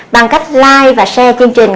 bằng cách like và share chương trình